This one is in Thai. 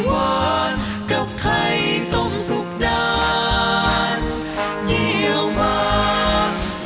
เมนูไข่เมนูไข่อร่อยแท้อยากกิน